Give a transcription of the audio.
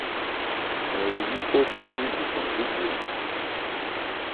Mɛn wu yípɔ bhri lê lephan gbógbo ɔ́n.